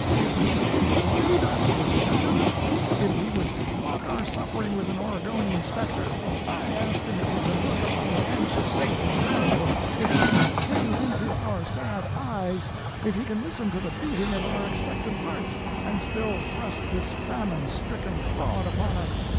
if he would delude us with shadows? if he would mock our suffering with an Oregonian specter? I ask him if he can look upon the anxious faces around him, if he can gaze into our sad eyes, if he can listen to the beating of our expectant hearts, and still thrust this famine stricken fraud upon us?